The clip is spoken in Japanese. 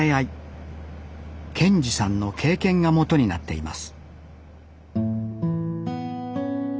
賢次さんの経験が元になっています